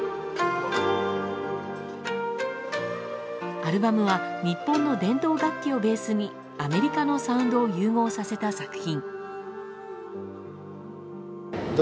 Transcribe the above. アルバムは日本の伝統楽器をベースにアメリカのサウンドを融合させた作品。